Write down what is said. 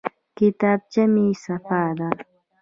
کتابچه مې صفا ده.